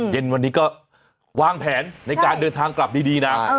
เย็นวันนี้ก็วางแผนในการเดินทางกลับดีนะ